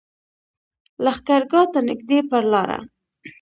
لښکرګاه ته نږدې پر لاره.